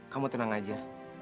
kamu tenang aja